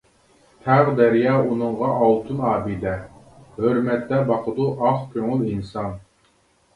تاغ-دەريا ئۇنىڭغا ئالتۇن ئابىدە، ھۆرمەتتە باقىدۇ ئاق كۆڭۈل ئىنسان.